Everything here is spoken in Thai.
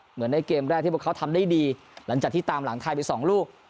เหมือนในเกมแรกที่พวกเขาทำได้ดีหลังจากที่ตามหลังไทยไปสองลูก